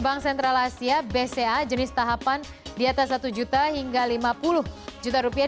bank sentral asia bca jenis tahapan di atas satu juta hingga lima puluh juta rupiah